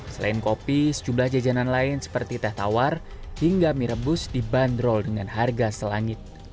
selain kopi sejumlah jajanan lain seperti teh tawar hingga mie rebus dibanderol dengan harga selangit